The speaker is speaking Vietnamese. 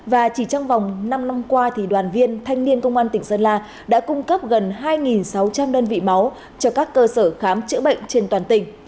và chỉ trong vòng năm năm qua đoàn viên thanh niên công an tỉnh sơn la đã cung cấp gần hai sáu trăm linh đơn vị máu cho các cơ sở khám chữa bệnh trên toàn tỉnh